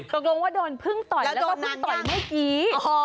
ตกลงว่าโดนพึ่งต่อยแล้วก็เพิ่งต่อยเมื่อกี้